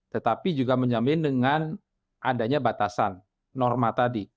tetapi juga menjamin dengan adanya batasan norma tadi